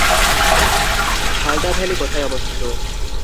Halda valley কোথায় অবস্থিত?